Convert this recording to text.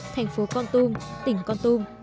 thành phố con tum tỉnh con tum